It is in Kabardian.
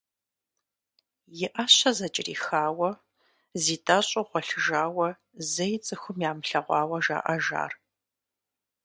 И ӏэщэ зыкӏэрихауэ, зитӏэщӏу гъуэлъыжауэ зэи цӏыхум ямылъэгъуауэ жаӏэж ар.